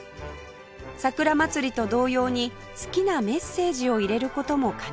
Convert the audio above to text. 桜まつりと同様に好きなメッセージを入れる事も可能